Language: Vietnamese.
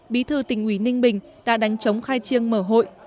bí thư tỉnh ủy ninh bình đã đánh chống khai chiêng mở hội